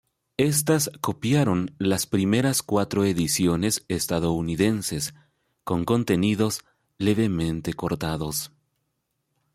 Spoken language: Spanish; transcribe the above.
Estas copiaron las primeras cuatro ediciones estadounidenses, con contenidos levemente cortados.